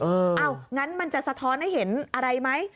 อ้าวงั้นมันจะสะท้อนให้เห็นอะไรไหม